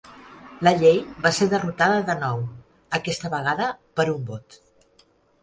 La llei va ser derrotada de nou, aquesta vegada per un vot.